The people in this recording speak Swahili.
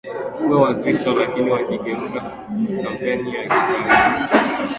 kuwa Wakristo Lakini yakageuka kampeni kwa ajili ya Ukristo